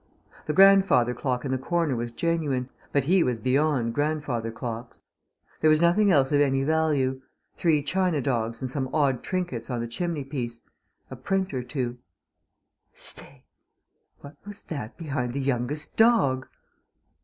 The grandfather clock in the corner was genuine, but he was beyond grandfather clocks. There was nothing else of any value: three china dogs and some odd trinkets on the chimney piece; a print or two Stay! What was that behind the youngest dog?